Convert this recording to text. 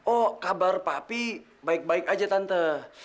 oh kabar papi baik baik aja tante